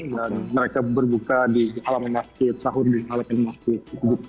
dan mereka berbuka di halaman masjid sahur di halaman masjid